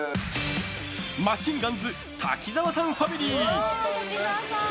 マシンガンズ滝沢さんファミリー。